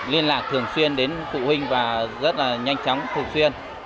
liên lạc thường xuyên đến phụ huynh và rất là nhanh chóng thường xuyên